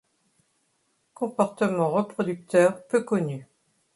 Comportement reproducteur peu connu.